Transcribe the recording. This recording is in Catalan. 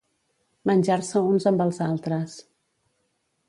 Menjar-se uns amb els altres.